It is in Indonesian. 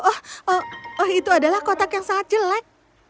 oh itu adalah kotak yang sangat jelek